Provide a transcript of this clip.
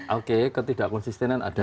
oke ketidak konsistenan ada